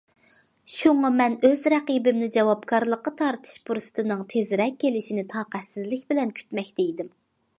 شۇڭا مەن ئۆز رەقىبىمنى جاۋابكارلىققا تارتىش پۇرسىتىنىڭ تېزرەك كېلىشىنى تاقەتسىزلىك بىلەن كۈتمەكتە ئىدىم.